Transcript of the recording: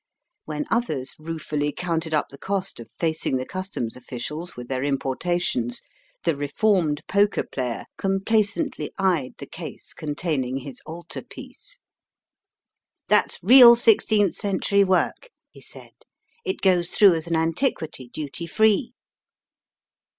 When others ruefully counted up the cost of facing the Customs officials with their impor tations, the reformed poker player compla cently eyed the case containing his altar piece. " That's real sixteenth century work," he said. It goes through as an antiquity, duty free."